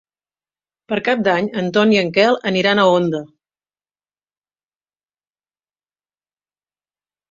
Per Cap d'Any en Ton i en Quel aniran a Onda.